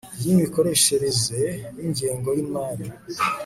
y imikoreshereze y ingengo yimari